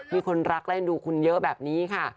มีคนรักและเอ็นดูคุณเยอะแบบนี้ค่ะ